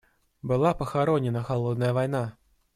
Была похоронена "холодная война".